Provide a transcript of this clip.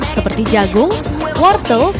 seperti jagung wortel